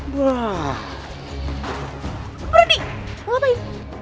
berani mau ngapain